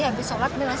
dan setengah sembilan